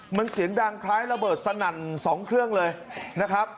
มันเสียงดังคล้ายระเบิดสนั่น๒เครื่องเลยนะครับ